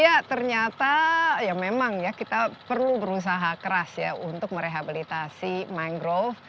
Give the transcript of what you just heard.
ya ternyata ya memang ya kita perlu berusaha keras ya untuk merehabilitasi mangrove